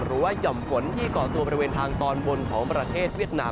หย่อมฝนที่เกาะตัวบริเวณทางตอนบนของประเทศเวียดนาม